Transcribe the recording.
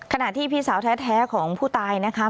ขณะที่พี่สาวแท้ของผู้ตายนะคะ